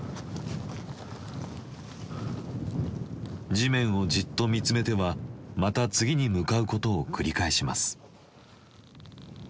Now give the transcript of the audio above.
地面をじっと見つめてはまた次に向かうことを繰り返します。